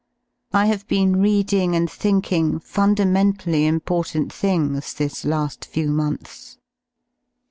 I have been reading and thinking fundamentally important things this la^ few months.